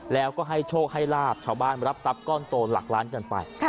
แล้วก็ให้โชคให้ลาบชาวบ้านรับทรัพย์ก้อนโตหลักล้านกันไป